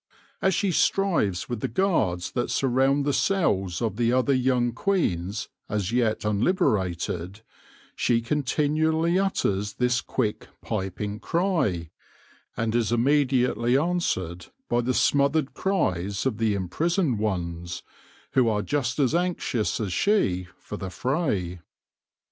As she strives with the guards that surround the cells of the other young queens as yet unliberated, she continually utters this quick piping cry, and is immediately answered by the smothered cries of the imprisoned ones, who are just as anxious as she for the fray.